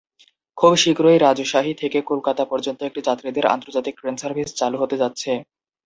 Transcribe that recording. খুব শীঘ্রই রাজশাহী থেকে কোলকাতা পর্যন্ত একটি যাত্রীদের আন্তর্জাতিক ট্রেন সার্ভিস চালু হতে যাচ্ছে।